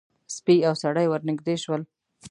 سپی او سړی ور نږدې شول.